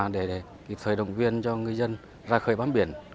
để kịp thời động viên cho ngư dân ra khơi bám biển